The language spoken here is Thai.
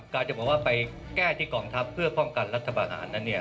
การจะบอกว่าไปแก้ที่กองทัพเพื่อป้องกันรัฐประหาร